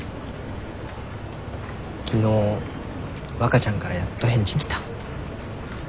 昨日わかちゃんからやっと返事来た。